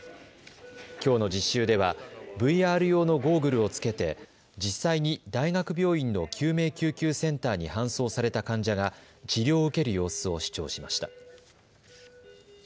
きょうの実習ではＶＲ用のゴーグルをつけて実際に大学病院の救命救急センターに搬送された患者が治療を受ける様子を視聴しました。